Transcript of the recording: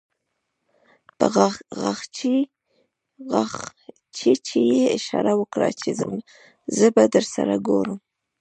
په غاښچيچي يې اشاره وکړه چې زه به درسره ګورم.